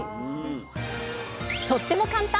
とっても簡単！